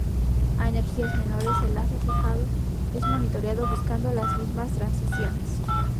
A energías menores, el haz reflejado es monitoreado buscando las mismas transiciones.